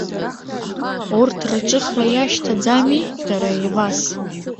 Урҭ рҿыхра иашьҭаӡами дара еивас?